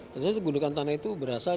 ternyata gundukan tanah itu berasal